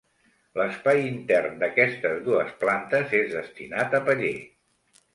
L'espai intern d'aquestes dues plantes és destinat a paller.